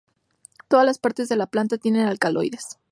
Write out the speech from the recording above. Todas las partes de la planta tienen alcaloides.